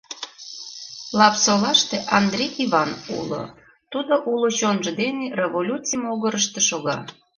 Лапсолаште Андри Иван уло, тудат уло чонжо дене революций могырышто шога.